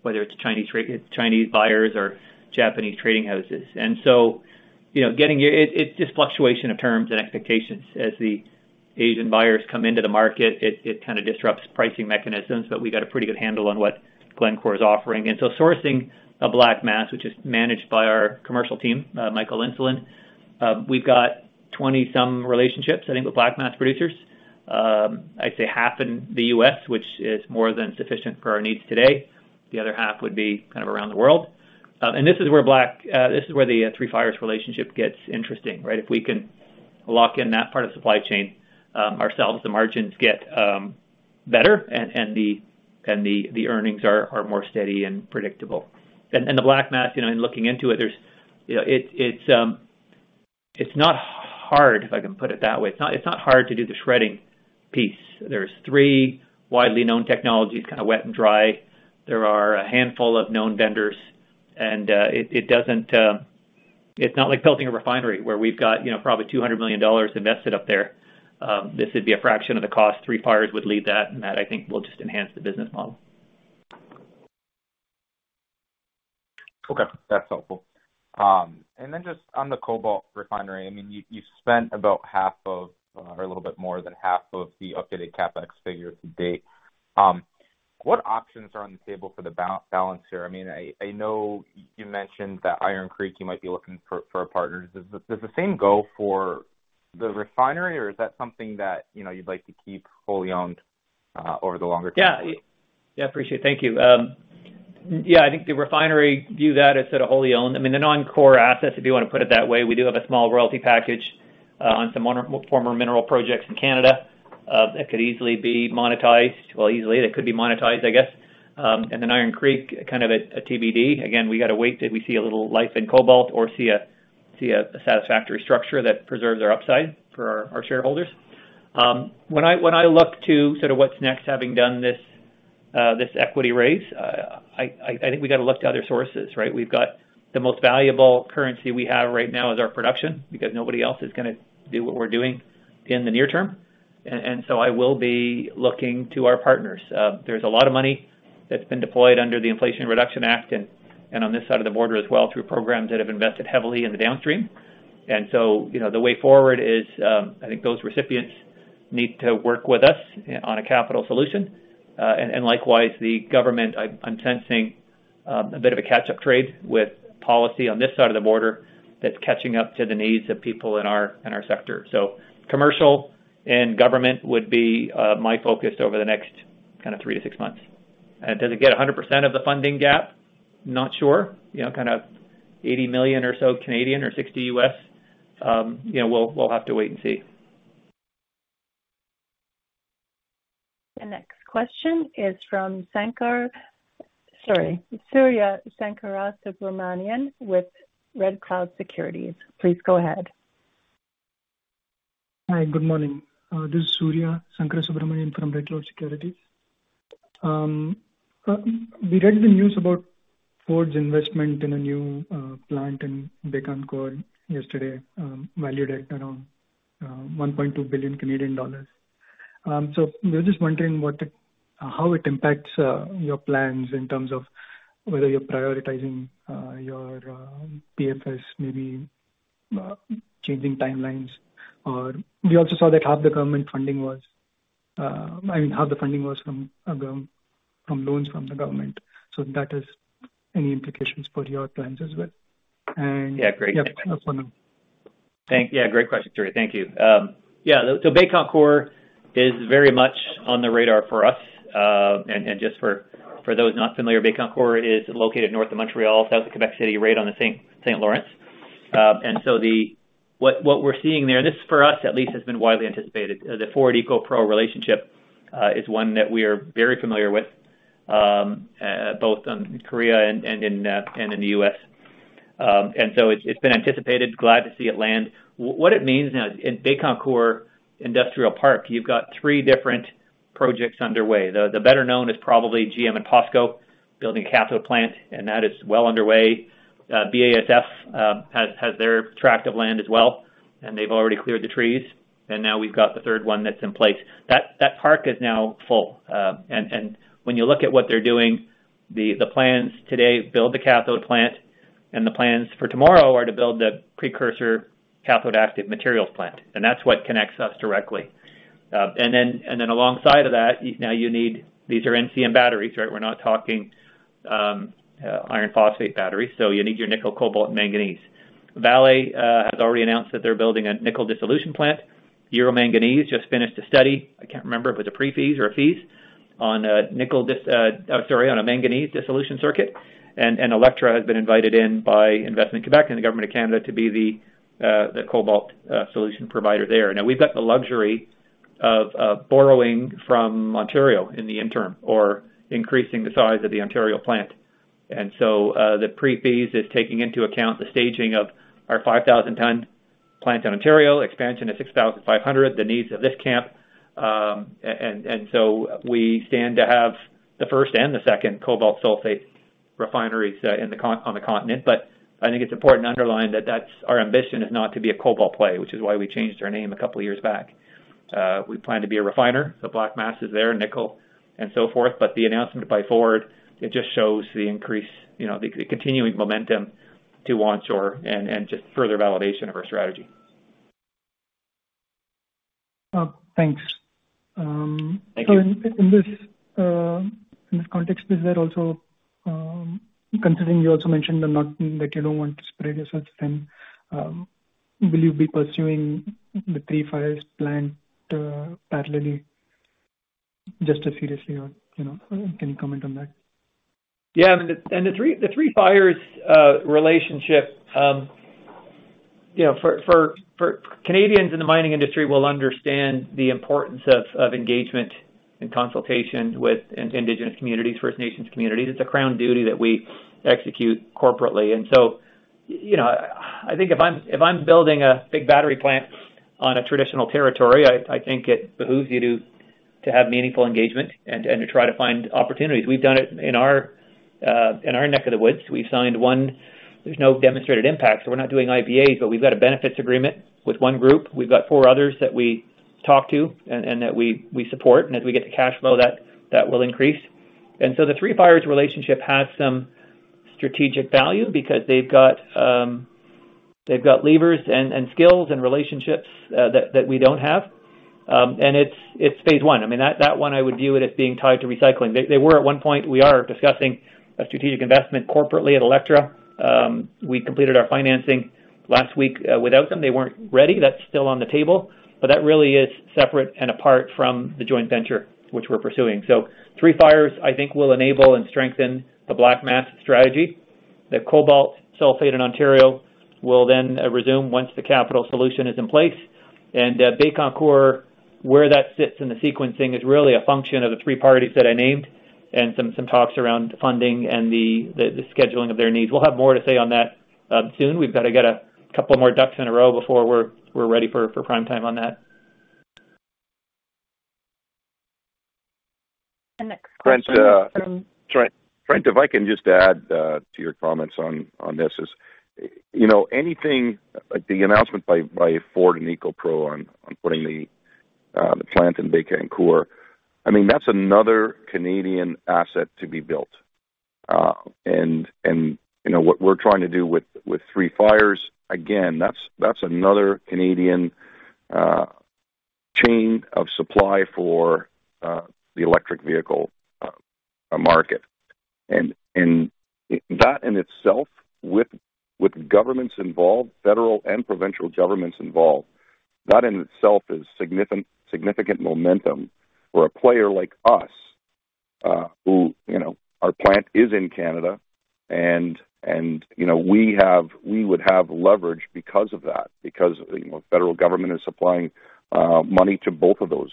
whether it's Chinese tra- Chinese buyers or Japanese trading houses. You know, getting it, it, it's just fluctuation of terms and expectations. As the Asian buyers come into the market, it, it kind of disrupts pricing mechanisms, but we got a pretty good handle on what Glencore is offering. Sourcing a black mass, which is managed by our commercial team, Michael Insulan, we've got 20-some relationships, I think, with black mass producers. I'd say half in the U.S., which is more than sufficient for our needs today. The other half would be kind of around the world. This is where black, this is where the Three Fires relationship gets interesting, right? If we can lock in that part of the supply chain ourselves, the margins get better and, and the, and the, the earnings are, are more steady and predictable. The black mass, you know, in looking into it, there's, you know, it, it's, it's not hard, if I can put it that way. It's not, it's not hard to do the shredding piece. There's three widely known technologies, kind of wet and dry. There are a handful of known vendors, it, it doesn't... It's not like building a refinery, where we've got, you know, probably 200 million dollars invested up there. This would be a fraction of the cost. Three Fires would lead that, and that, I think, will just enhance the business model. Okay, that's helpful. And then just on the cobalt refinery, I mean, you, you spent about half of, or a little bit more than half of the updated CapEx figure to date. What options are on the table for the balance here? I mean, I, I know you mentioned that Iron Creek, you might be looking for, for a partner. Does the, does the same go for the refinery, or is that something that, you know, you'd like to keep fully owned, over the longer term? Yeah. Yeah, appreciate it. Thank you. Yeah, I think the refinery view that as sort of wholly owned. I mean, the non-core assets, if you want to put it that way, we do have a small royalty package on some former mineral projects in Canada, that could easily be monetized. Well, easily, that could be monetized, I guess. Then Iron Creek, kind of a, a TBD. Again, we got to wait till we see a little life in cobalt or see a, see a, a satisfactory structure that preserves our upside for our, our shareholders. When I, I, I think we got to look to other sources, right? We've got the most valuable currency we have right now is our production, because nobody else is gonna do what we're doing in the near term. I will be looking to our partners. There's a lot of money that's been deployed under the Inflation Reduction Act and, on this side of the border as well, through programs that have invested heavily in the downstream. You know, the way forward is, I think those recipients need to work with us on a capital solution. Likewise, the government, I'm, I'm sensing, a bit of a catch-up trade with policy on this side of the border that's catching up to the needs of people in our, in our sector. Commercial and government would be, my focus over the next kinda three to six months. Does it get 100% of the funding gap? Not sure. You know, kind of 80 million CAD or 60 USD. You know, we'll, we'll have to wait and see. The next question is from Sorry, Surya Sankarasubramanian with Red Cloud Securities. Please go ahead. Hi, good morning. This is Surya Sankarasubramanian from Red Cloud Securities. We read the news about Ford's investment in a new plant in Bécancour yesterday, valued at around 1.2 billion Canadian dollars. We're just wondering what it-- how it impacts your plans in terms of whether you're prioritizing your PFS, maybe changing timelines. We also saw that half the government funding was, I mean, half the funding was from gov- from loans from the government. That is any implications for your plans as well? Yeah, great. Yeah, over to you. Thank Yeah, great question, Surya. Thank you. Yeah, so Bécancour is very much on the radar for us. And, and just for, for those not familiar, Bécancour is located north of Montreal, south of Quebec City, right on the St. Lawrence. And so What we're seeing there, this, for us at least, has been widely anticipated. The Ford EcoPro relationship is one that we are very familiar with, both on Korea and, and in the U.S. And so it's, it's been anticipated. Glad to see it land. What it means now, in Bécancour Industrial Park, you've got three different projects underway. The, the better known is probably GM and POSCO building a cathode plant, and that is well underway. BASF has, has their tract of land as well. They've already cleared the trees, now we've got the third one that's in place. That, that park is now full. When you look at what they're doing, the, the plans today, build the cathode plant. The plans for tomorrow are to build the precursor cathode active materials plant, that's what connects us directly. Then, then alongside of that, now you need... These are NCM batteries, right? We're not talking iron phosphate batteries, you need your nickel, cobalt, manganese. Vale has already announced that they're building a nickel dissolution plant. Euro Manganese just finished a study, I can't remember if it was a pre-feas or a feas, on a manganese dissolution circuit. Electra has been invited in by Investissement Québec and the Government of Canada to be the cobalt solution provider there. We've got the luxury of borrowing from Ontario in the interim or increasing the size of the Ontario plant. The pre-feas is taking into account the staging of our 5,000 ton plant in Ontario, expansion to 6,500, the needs of this camp. We stand to have the first and the second cobalt sulfate refineries in the con- on the continent. I think it's important to underline that that's our ambition is not to be a cobalt play, which is why we changed our name a couple years back. We plan to be a refiner, so black mass is there, nickel, and so forth. The announcement by Ford, it just shows the increase, you know, the continuing momentum to onshore and just further validation of our strategy. Thanks. Thank you. In this context, is there also, considering you also mentioned that you don't want to spread yourself thin, will you be pursuing the Three Fires plant parallelly just as seriously or, you know, can you comment on that? Yeah, I mean, the Three Fires relationship, you know, for Canadians in the mining industry will understand the importance of engagement and consultation with Indigenous communities, First Nations communities. It's a Crown duty that we execute corporately. You know, I think if I'm building a big battery plant on a traditional territory, I think it behooves you to have meaningful engagement and to try to find opportunities. We've done it in our neck of the woods. We've signed one. There's no demonstrated impact, so we're not doing IBAs, but we've got a benefits agreement with one group. We've got four others that we talk to and that we support. As we get the cash flow, that will increase. The Three Fires relationship has some strategic value because they've got levers and skills and relationships that we don't have. It's Phase 1. I mean, that one I would view it as being tied to recycling. They, they were at one point, we are discussing a strategic investment corporately at Electra. We completed our financing last week without them. They weren't ready. That's still on the table. That really is separate and apart from the joint venture, which we're pursuing. Three Fires, I think, will enable and strengthen the black mass strategy. The cobalt sulfate in Ontario will then resume once the capital solution is in place. Bécancour, where that sits in the sequencing is really a function of the three parties that I named and some, some talks around funding and the, the, the scheduling of their needs. We'll have more to say on that soon. We've got to get a couple more ducks in a row before we're, we're ready for, for prime time on that. The next question- Trent, Trent, Trent, if I can just add to your comments on, on this is, you know, anything like the announcement by, by Ford and EcoPro on, on putting the plant in Bécancour, I mean, that's another Canadian asset to be built. You know, what we're trying to do with, with Three Fires, again, that's, that's another Canadian chain of supply for the electric vehicle market. That in itself, with, with governments involved, federal and provincial governments involved, that in itself is significant, significant momentum for a player like us, who, you know, our plant is in Canada, and, and, you know, we would have leverage because of that. Because, you know, the federal government is supplying money to both of those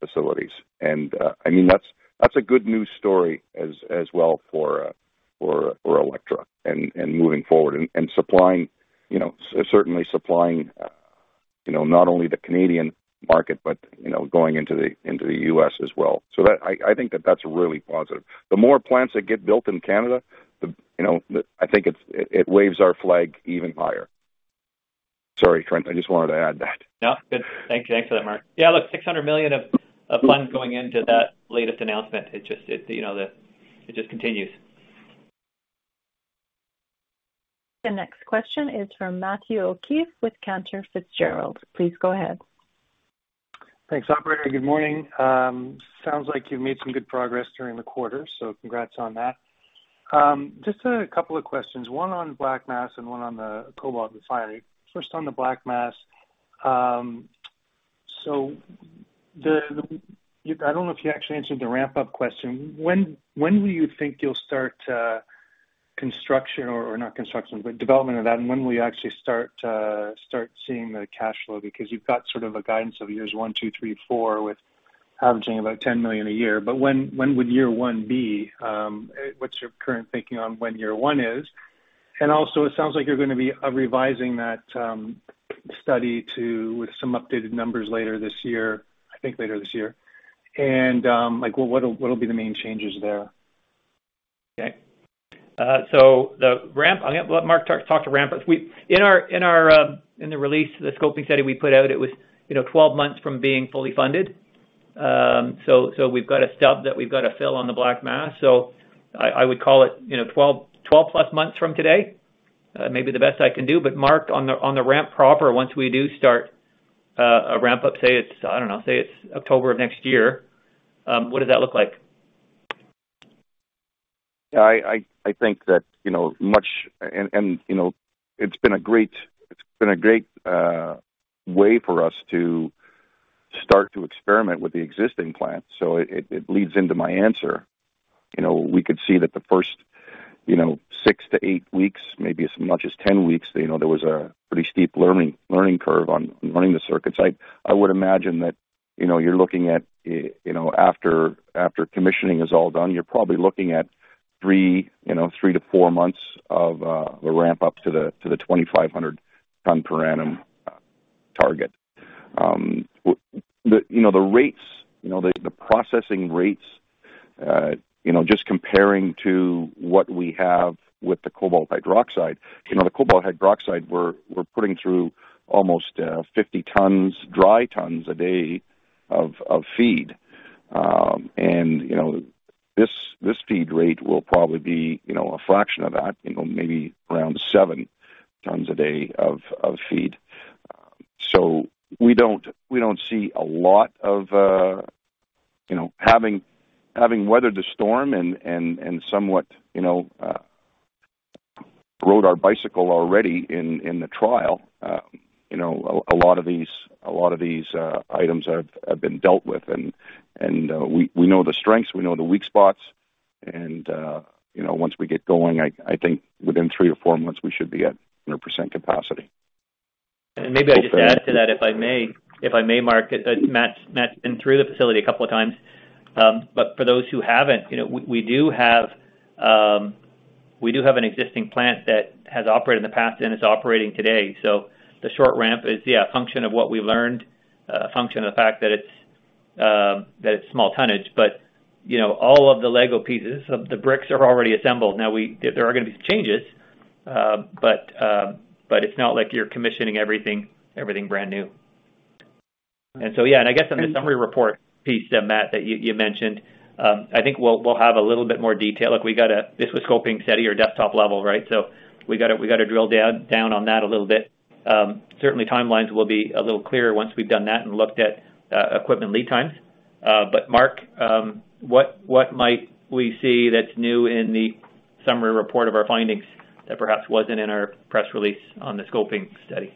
facilities. I mean, that's, that's a good news story as, as well for, for, for Electra and, and moving forward and, and supplying, you know, certainly supplying, you know, not only the Canadian market, but you know, going into the, into the U.S. as well. That. I think that that's really positive. The more plants that get built in Canada, the, you know, I think it's, it, it waves our flag even higher. Sorry, Trent, I just wanted to add that. No, good. Thank you. Thanks for that, Mark. Yeah, look, 600 million of, of funds going into that latest announcement. It just, it, you know, the, it just continues. The next question is from Matthew O'Keefe with Cantor Fitzgerald. Please go ahead. Thanks, operator. Good morning. Sounds like you've made some good progress during the quarter. Congrats on that. Just a couple of questions, one on black mass and one on the cobalt refinery. First, on the black mass. I don't know if you actually answered the ramp-up question. When, when do you think you'll start construction or not construction, but development of that? When will you actually start seeing the cash flow? Because you've got sort of a guidance of years one, two, three, four, with averaging about 10 million a year. When, when would year 1 be? What's your current thinking on when year one is? Also, it sounds like you're gonna be revising that study to some updated numbers later this year, I think later this year. Like, what, what will, what will be the main changes there? Okay. So the ramp, I'm gonna let Mark talk, talk to ramp up. In our, in our, in the release, the scoping study we put out, it was, you know, 12 months from being fully funded. So we've got a stub that we've got to fill on the black mass. I would call it, you know, 12, 12+ months from today, may be the best I can do. Mark, on the, on the ramp proper, once we do start, a ramp up, say it's, I don't know, say it's October of next year, what does that look like? Yeah, I, I, I think that, you know. You know, it's been a great, it's been a great way for us to start to experiment with the existing plant, so it, it leads into my answer. You know, we could see that the first, you know, six to eight weeks, maybe as much as 10 weeks, you know, there was a pretty steep learning, learning curve on running the circuits. I, I would imagine that, you know, you're looking at, you know, after, after commissioning is all done, you're probably looking at three, you know, three to four months of the ramp-up to the, to the 2,500 ton per annum target. The, you know, the rates, you know, the, the processing rates, you know, just comparing to what we have with the cobalt hydroxide. You know, the cobalt hydroxide, we're, we're putting through almost 50 tons, dry tons a day of, of feed. You know, this, this feed rate will probably be, you know, a fraction of that, you know, maybe around 7 tons a day of, of feed. We don't, we don't see a lot of... You know, having, having weathered the storm and, and, and somewhat, you know, rode our bicycle already in, in the trial, you know, a, a lot of these, a lot of these, items have, have been dealt with. We, we know the strengths, we know the weak spots, and, you know, once we get going, I, I think within three or four months, we should be at 100% capacity. Maybe I just add to that, if I may, if I may, Mark, Matt, Matt's been through the facility a couple of times. For those who haven't, you know, we, we do have, we do have an existing plant that has operated in the past and is operating today. The short ramp is, yeah, a function of what we learned, a function of the fact that it's, that it's small tonnage. You know, all of the Lego pieces, of the bricks are already assembled. There are gonna be changes, but, but it's not like you're commissioning everything, everything brand new. Yeah, I guess in the summary report piece, then, Matt, that you, you mentioned, I think we'll, we'll have a little bit more detail. Look, we got a... This was scoping study, or desktop level, right? We gotta, we gotta drill down, down on that a little bit. Certainly timelines will be a little clearer once we've done that and looked at equipment lead times. Mark, what, what might we see that's new in the summary report of our findings that perhaps wasn't in our press release on the scoping study?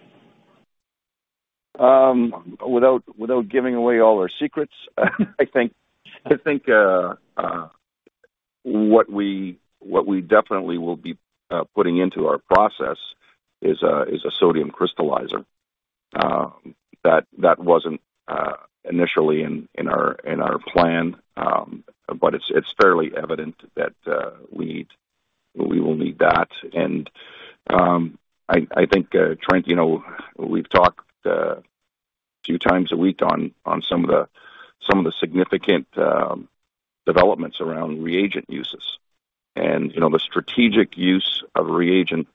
Without, without giving away all our secrets, I think, I think, what we, what we definitely will be putting into our process is a, is a sodium crystallizer. That, that wasn't initially in, in our, in our plan, but it's, it's fairly evident that we will need that. I, I think, Trent, you know, we've talked few times a week on, on some of the, some of the significant developments around reagent uses. You know, the strategic use of reagent,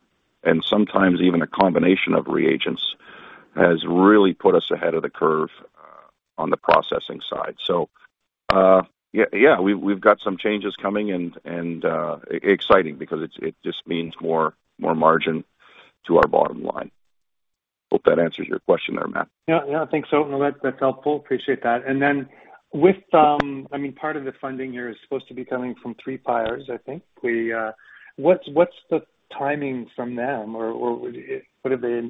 and sometimes even a combination of reagents, has really put us ahead of the curve on the processing side. Yeah, yeah, we've, we've got some changes coming and, and exciting because it, it just means more, more margin to our bottom line. Hope that answers your question there, Matt. Yeah, yeah, I think so. Well, that, that's helpful. Appreciate that. Then with, I mean, part of the funding here is supposed to be coming from Three Fires, I think. We, what's, what's the timing from them, or, or what have they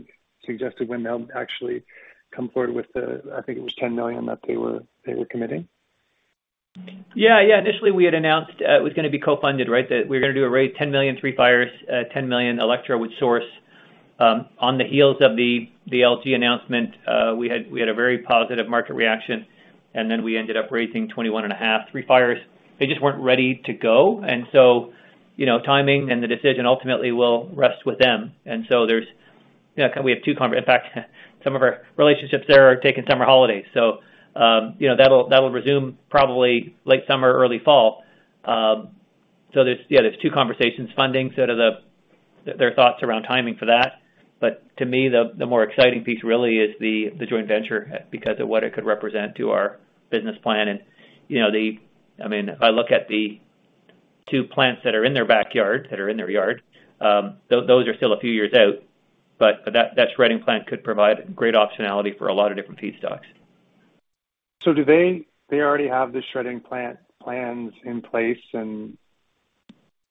suggested when they'll actually come forward with the, I think it was 10 million that they were, they were committing? Yeah, yeah. Initially, we had announced, it was gonna be co-funded, right? That we were gonna do a raise, 10 million Three Fires, 10 million Electra would source. On the heels of the, the LG announcement, we had, we had a very positive market reaction, and then we ended up raising 21.5 million. Three Fires, they just weren't ready to go, so, you know, timing and the decision ultimately will rest with them. So there's, you know, we have two con... In fact, some of our relationships there are taking summer holidays, so, you know, that'll, that will resume probably late summer or early fall. So there's, yeah, there's two conversations, funding, so the, the-their thoughts around timing for that. To me, the, the more exciting piece really is the, the joint venture, because of what it could represent to our business plan. You know, the... I mean, if I look at the two plants that are in their backyard, that are in their yard, those are still a few years out, but that, that shredding plant could provide great optionality for a lot of different feedstocks. Do they already have the shredding plant plans in place, and,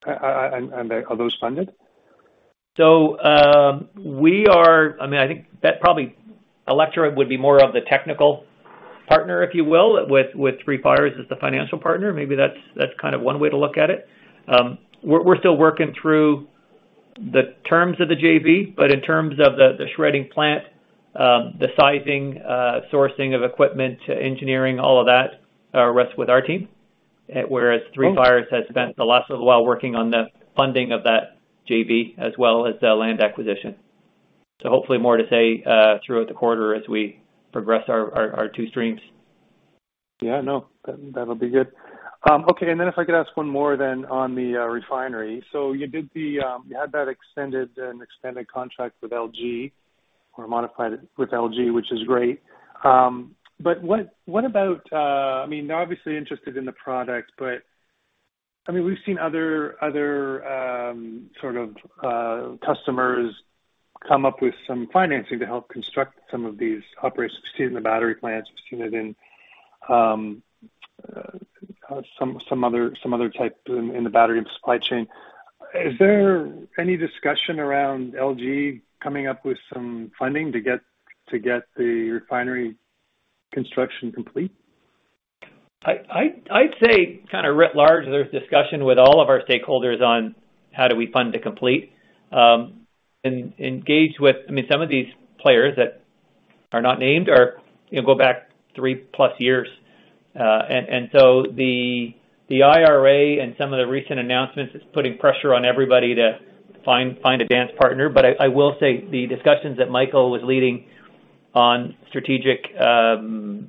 and are those funded? I mean, I think that probably Electra would be more of the technical partner, if you will, with Three Fires as the financial partner. Maybe that's, that's kind of one way to look at it. We're, we're still working through the terms of the JV, but in terms of the shredding plant, the sizing, sourcing of equipment, engineering, all of that rests with our team. Whereas Three Fires has spent the last little while working on the funding of that JV, as well as the land acquisition. Hopefully more to say throughout the quarter as we progress our, our, our two streams. Yeah, no, that, that'll be good. Okay, and then if I could ask one more then on the refinery. So you did the, you had that extended and expanded contract with LG or modified it with LG, which is great. But what, what about, I mean, they're obviously interested in the product, but, I mean, we've seen other, other, sort of, customers come up with some financing to help construct some of these operations. We've seen it in the battery plants, we've seen it in, some, some other, some other types in, in the battery supply chain. Is there any discussion around LG coming up with some funding to get, to get the refinery construction complete? I, I, I'd say kind of writ large, there's discussion with all of our stakeholders on how do we fund to complete. I mean, some of these players that are not named are, you know, go back 3-plus years, and so the IRA and some of the recent announcements is putting pressure on everybody to find a dance partner. I, I will say the discussions that Michael was leading on strategic,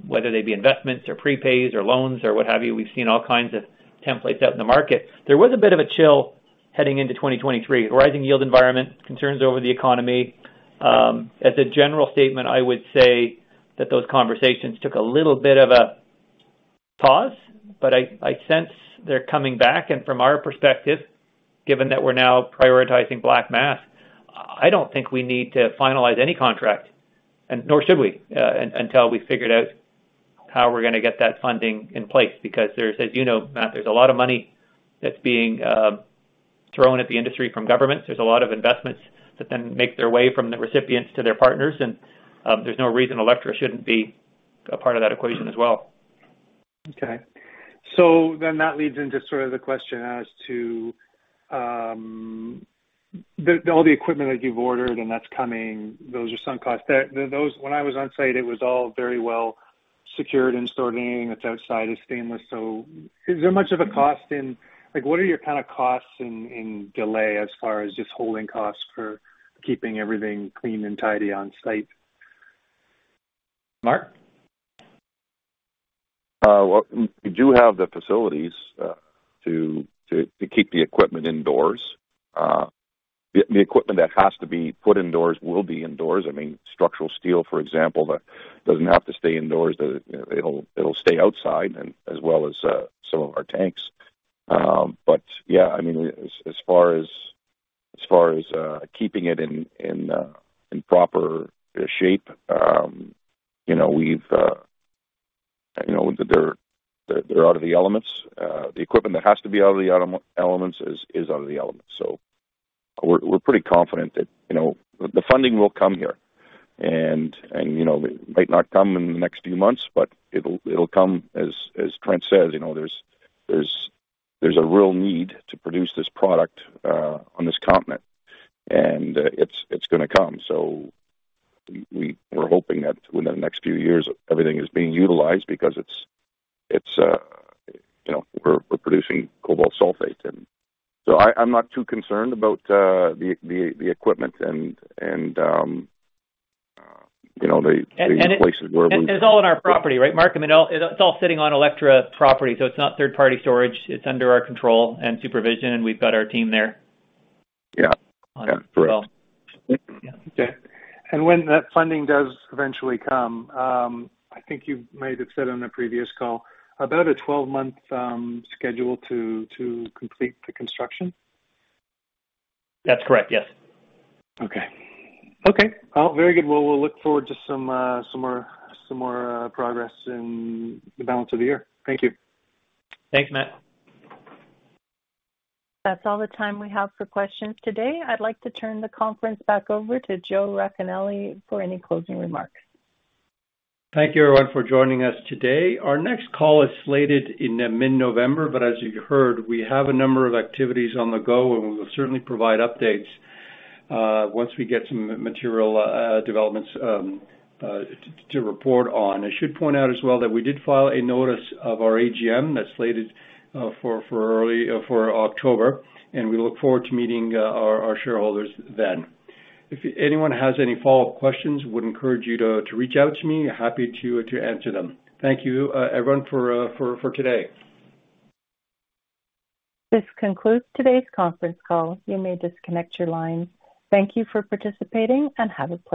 whether they be investments or prepays or loans or what have you, we've seen all kinds of templates out in the market. There was a bit of a chill heading into 2023. Rising yield environment, concerns over the economy. As a general statement, I would say that those conversations took a little bit of a pause, but I, I sense they're coming back. From our perspective, given that we're now prioritizing black mass, I don't think we need to finalize any contract, and nor should we, until we've figured out how we're gonna get that funding in place. There's, as you know, Matt, there's a lot of money that's being thrown at the industry from governments. There's a lot of investments that then make their way from the recipients to their partners, and there's no reason Electra shouldn't be a part of that equation as well. That leads into sort of the question as to, the, all the equipment that you've ordered and that's coming, those are some costs. Those. When I was on site, it was all very well secured and stored, anything that's outside is stainless. Is there much of a cost? Like, what are your kind of costs in, in delay as far as just holding costs for keeping everything clean and tidy on site? Mark? Well, we do have the facilities to keep the equipment indoors. The equipment that has to be put indoors will be indoors. I mean, structural steel, for example, that doesn't have to stay indoors, it'll stay outside and as well as some of our tanks. But yeah, I mean, as far as, as far as keeping it in proper shape, you know, we've, you know, they're out of the elements. The equipment that has to be out of the elements is out of the elements. So we're pretty confident that, you know, the funding will come here. And, you know, it might not come in the next few months, but it'll come. As, as Trent says, you know, there's, there's, there's a real need to produce this product on this continent, and it's, it's gonna come. We, we're hoping that within the next few years, everything is being utilized because it's, it's, you know, we're, we're producing cobalt sulfate. I, I'm not too concerned about the, the, the equipment and, and, you know, the, the places where we. It's all in our property, right, Mark? I mean, it's all sitting on Electra property, so it's not third-party storage. It's under our control and supervision, and we've got our team there. Yeah. Yeah, correct. Yeah. Okay. When that funding does eventually come, I think you might have said on a previous call, about a 12-month schedule to complete the construction? That's correct, yes. Okay. Okay, very good. Well, we'll look forward to some, some more, some more, progress in the balance of the year. Thank you. Thanks, Matt. That's all the time we have for questions today. I'd like to turn the conference back over to Joe Racanelli for any closing remarks. Thank you, everyone, for joining us today. Our next call is slated in the mid-November, but as you heard, we have a number of activities on the go, and we'll certainly provide updates once we get some material developments to report on. I should point out as well that we did file a notice of our AGM that's slated for, for October, and we look forward to meeting our shareholders then. If anyone has any follow-up questions, we would encourage you to, to reach out to me. Happy to, to answer them. Thank you, everyone, for, for today. This concludes today's conference call. You may disconnect your lines. Thank you for participating, and have a pleasant rest of your day.